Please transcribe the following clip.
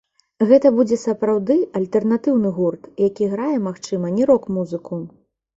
Гэта будзе сапраўды альтэрнатыўны гурт, які грае, магчыма, не рок-музыку.